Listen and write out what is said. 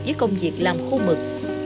với công việc làm khu mực